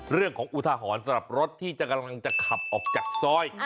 เรื่องของอุทหรณสำหรับรถที่จะกำลังจะขับออกจากซอย